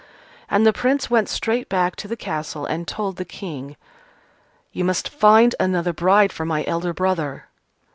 And the Prince went straight back to the castle, and told the King: "You must find another bride for my elder brother."